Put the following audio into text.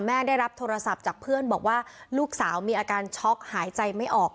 ได้รับโทรศัพท์จากเพื่อนบอกว่าลูกสาวมีอาการช็อกหายใจไม่ออก